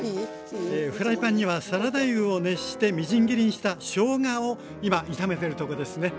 フライパンにはサラダ油を熱してみじん切りにしたしょうがを今炒めてるとこですね。